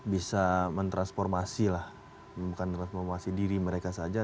bisa mentransformasi lah bukan transformasi diri mereka saja